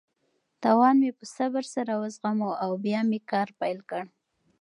تاوان مې په صبر سره وزغمه او بیا مې کار پیل کړ.